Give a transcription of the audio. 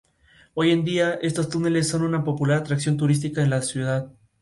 Su fundadora, Elizabeth A. Sackler, es una filántropa y coleccionista de arte.